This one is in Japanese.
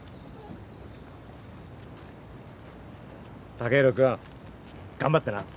剛洋君頑張ってな。